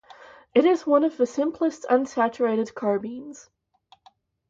It is one of the simplest unsaturated carbenes.